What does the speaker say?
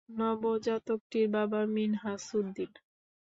নবজাতকটির বাবা মিনহাজ উদ্দিন।